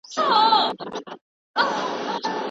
هغه يوازي زما لالى دئ دادئ در به يې كړم